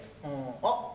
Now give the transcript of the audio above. あっ！